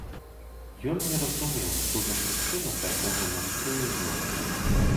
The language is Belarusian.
Ён не разумеў, што за прычына такога настрою жонкі.